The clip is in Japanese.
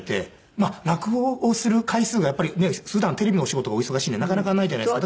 まあ落語をする回数がやっぱりねえ普段テレビのお仕事がお忙しいんでなかなかないじゃないですか。